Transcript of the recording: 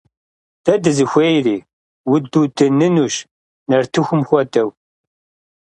Дэ дызыхуейри? Удудынынущ! Нартыхум хуэдэу.